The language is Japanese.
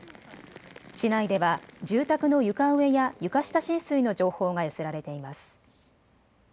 市内では住宅の床上や床下浸水の情報が寄せられています。